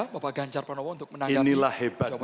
bapak ganjar panowo untuk menanggapi jawaban dari saat ini